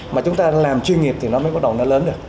mà chúng ta làm chuyên nghiệp thì nó mới bắt đầu nó lớn được